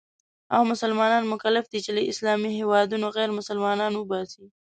او مسلمانان مکلف دي چې له اسلامي هېوادونو غیرمسلمانان وباسي.